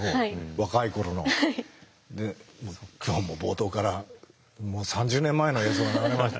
若い頃の。で今日も冒頭からもう３０年前の映像が流れました。